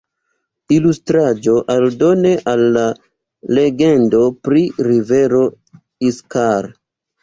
Ilustraĵo aldone al la legendo pri rivero Iskar.